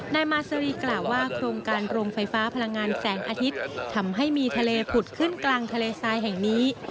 นายมาซารีกล่าวว่าโครงการโรงไฟฟ้าพลังงานแสงอาทิตย์ทำให้มีทะเลผุดขึ้นกลางทะเลทรายแห่งนี้